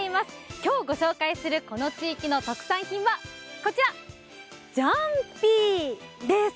今日ご紹介するこの地域の特産品はこちら、ジャンピーです。